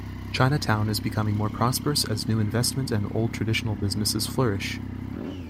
Chinatown is becoming more prosperous as new investment and old traditional businesses flourish.